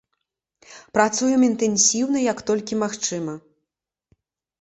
Працуем інтэнсіўна як толькі магчыма.